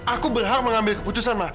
aku berhak mengambil keputusan ma